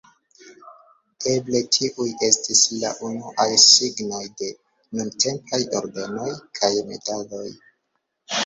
Eble tiuj estis la unuaj signoj de nuntempaj ordenoj kaj medaloj.